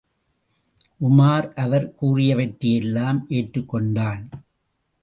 உமார் அவர் கூறியவற்றையெல்லாம் ஏற்றுக் கொண்டான்.